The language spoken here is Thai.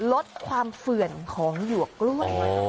ลดความเฝื่อนของหยวกกล้วย